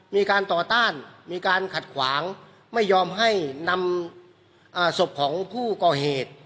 มีการต่อต้านมีการขัดขวางไม่ยอมให้นำศพของผู้ก่อเหตุ